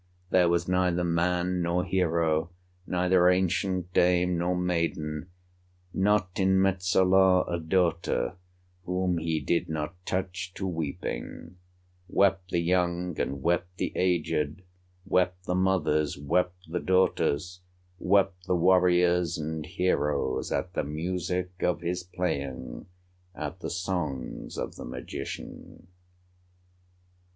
There was neither man nor hero, Neither ancient dame, nor maiden, Not in Metsola a daughter, Whom he did not touch to weeping; Wept the young, and wept the aged, Wept the mothers, wept the daughters Wept the warriors and heroes At the music of his playing, At the songs of the magician.